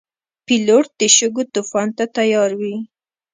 پیلوټ د شګو طوفان ته تیار وي.